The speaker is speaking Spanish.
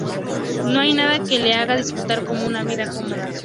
No hay nada que le haga disfrutar como una vida cómoda.